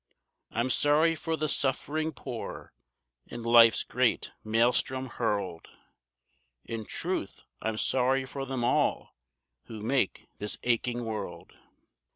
I'm sorry for the suffering poor in life's great maelstrom hurled, In truth I'm sorry for them all who make this aching world.